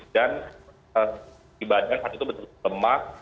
dan di badan waktu itu betul betul lemak